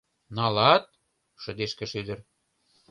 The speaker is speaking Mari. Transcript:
— Налат?! — шыдешкыш ӱдыр.